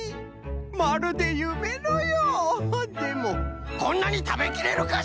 まるでゆめのようでもこんなにたべきれるかしら！？